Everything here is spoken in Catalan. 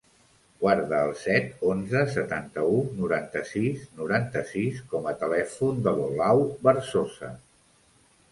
Guarda el set, onze, setanta-u, noranta-sis, noranta-sis com a telèfon de l'Olau Berzosa.